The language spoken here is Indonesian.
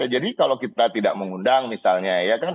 jadi kalau kita tidak mengundang misalnya ya kan